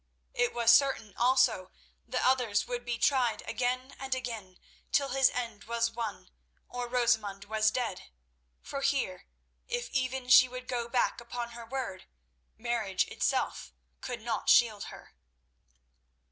It was certain also that others would be tried again and again till his end was won or Rosamund was dead—for here, if even she would go back upon her word, marriage itself could not shield her.